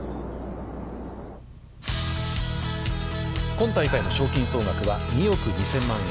今大会の賞金総額は２億２０００万円。